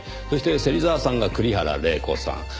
そして芹沢さんが栗原玲子さん。